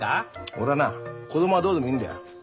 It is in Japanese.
俺はな子供はどうでもいいんだよ。